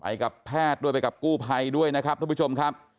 กับแพทย์ด้วยไปกับกู้ภัยด้วยนะครับท่านผู้ชมครับ